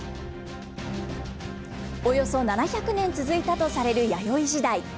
およそ７００年続いたとされる弥生時代。